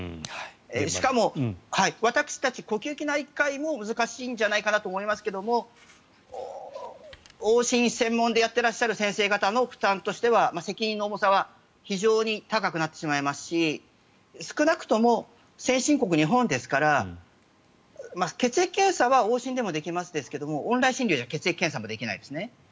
しかも私たち呼吸器内科医も難しいんじゃないかなと思いますけれども往診専門でやっていらっしゃる先生方としては責任の重さは非常に高くなってしまいますし少なくとも先進国、日本ですから血液検査は往診でもできますがオンラインでは血液検査もできないですね。